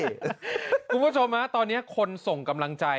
คุณผู้ชมตอนนี้คนส่งกำลังใจ